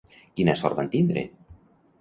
Quina sort van tindre?